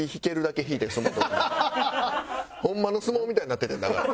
ホンマの相撲みたいになっててんだから。